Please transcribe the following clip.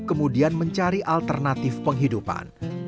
dan kemudian kita akan mencari alternatif penghidupan